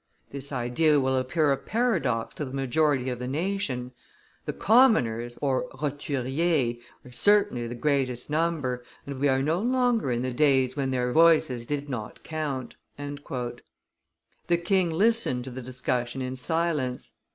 This idea will appear a paradox to the majority of the nation. The commoners (roturiers) are certainly the greatest number, and we are no longer in the days when their voices did not count." The king listened to the discussion in silence.